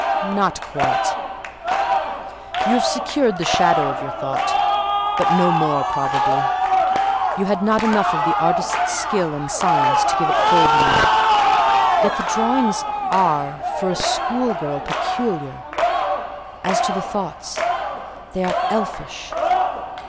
"Not quite: you have secured the shadow of your thought; but no more, probably. You had not enough of the artist's skill and science to give it full being: yet the drawings are, for a school girl, peculiar. As to the thoughts, they are elfish.